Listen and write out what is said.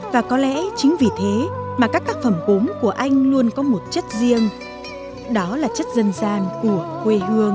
và có lẽ chính vì thế mà các tác phẩm gốm của anh luôn có một chất riêng đó là chất dân gian của quê hương